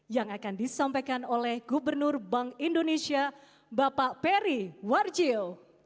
yang akan disampaikan oleh gubernur bank indonesia bapak peri warjio